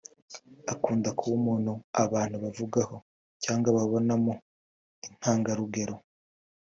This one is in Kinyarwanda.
Akunda kuba umuntu abantu bavugaho cyangwa babonamo intangarugero